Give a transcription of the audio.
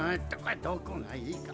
どこがいいか？